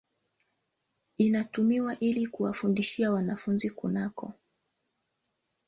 inatumiwa ili kuwafundishia wanafunzi kunako